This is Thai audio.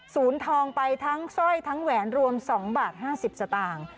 ศูนย์ทองไปทั้งสร้อยทั้งแหวนรวม๒บาท๕๐สตางค์